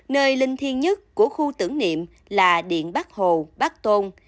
nơi linh thiên nhất của khu tưởng niệm là điện bắc hồ bắc tôn